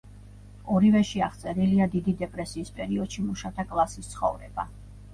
ორივეში აღწერილია დიდი დეპრესიის პერიოდში მუშათა კლასის ცხოვრება.